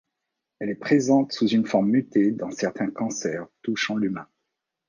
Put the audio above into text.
Elle est présente sous une forme mutée dans certains cancers touchant l'humain.